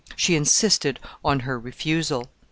She insisted on her refusal.